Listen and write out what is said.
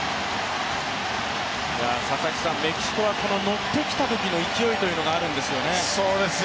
メキシコはのってきたときの勢いというのがあるんですよね。